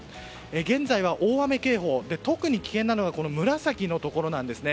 現在は大雨警報、特に危険なのが紫のところなんですね。